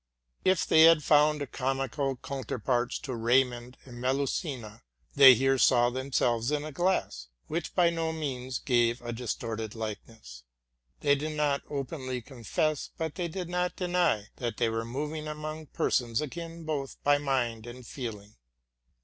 If they had found comical counterparts to Ray mond and Melusina, they here saw themselves in a glass which by no means gave a distorted likeness. They did not openly confess, but they did not deny, that they were movirg among persons akin, both by mind and feeling.